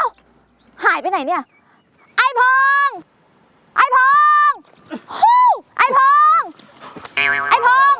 หายไปไหนเนี่ยไอ้พองไอ้พองไอ้พองไอ้พอง